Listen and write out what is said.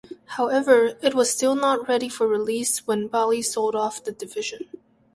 However it was still not ready for release when Bally sold off the division.